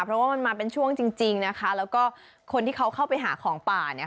เพราะว่ามันมาเป็นช่วงจริงจริงนะคะแล้วก็คนที่เขาเข้าไปหาของป่าเนี่ย